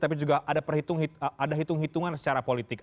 tapi juga ada hitung hitungan secara politik